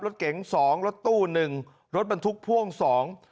รถเก๋ง๒รถตู้๑รถบรรทุกพ่วง๒